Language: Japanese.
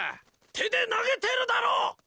手で投げてるだろう！